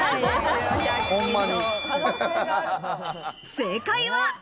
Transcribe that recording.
正解は。